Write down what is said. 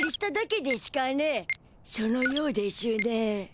そのようでしゅね。